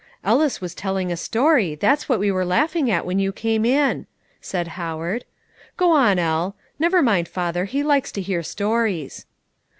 "Ellis was telling a story, that's what we were laughing at when you came in," said Howard. "Go on, El never mind father, he likes to hear stories."